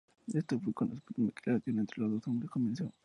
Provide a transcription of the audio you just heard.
Esto fue cuando se presume que la relación entre los dos hombres comenzó.